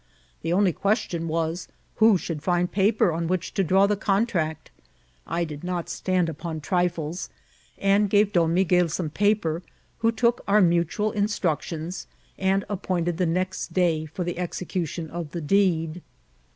The only question was who should find paper on which to draw the contract. I did not stand upon trifles, and gave Don Migud some paper, who took our mutual instruo tions, and appointed the next day for the execution of the deed.